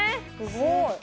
すごい！